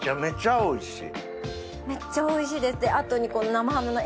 おいしい！